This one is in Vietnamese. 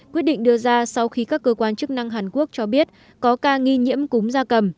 quyết định đưa ra sau khi các cơ quan chức năng hàn quốc cho biết có ca nghi nhiễm cúm da cầm